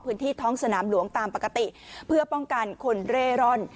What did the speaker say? พื้นที่ท้องสนามหลวงตามปกติเพื่อป้องกันคนเร่ร่อน